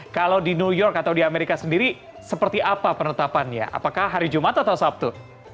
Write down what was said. kalau di new york atau di amerika sendiri seperti apa penetapannya apakah hari jumat atau sabtu